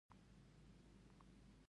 خاین د خلکو په خوله کې وي